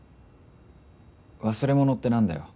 忘れ物って何だよ。